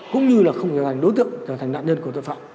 cũng như là không hình thành đối tượng trở thành nạn nhân của tội phạm